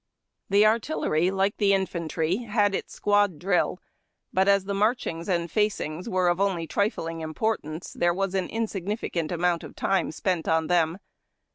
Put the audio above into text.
The artillery, like the infantry, had its squad drill, but, as the marchings and facings were of only trifling importance, there was an insignificant amount of time spent on them.